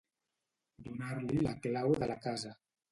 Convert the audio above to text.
Donar-li la clau de la casa.